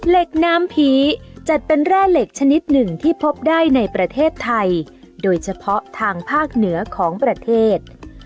เหล็กน้ำผีจัดเป็นแร่เหล็กชนิดหนึ่งที่พบได้ในประเทศไทยโดยเฉพาะทางภาคเหนือของประเทศ